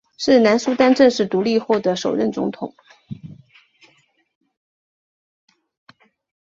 是南苏丹正式独立后的首任总统。